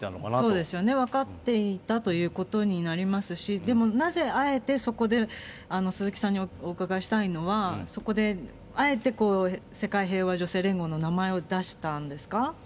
そうですよね、分かっていたということになりますし、でもなぜあえてそこで、鈴木さんにお伺いしたいのは、そこであえて世界平和女性連合の名前を出したんですか。